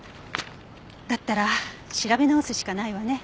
だったら調べ直すしかないわね。